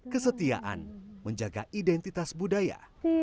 kesetiaan menjaga identitas budaya